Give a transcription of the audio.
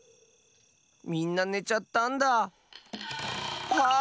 みんなねちゃったんだ。はっ！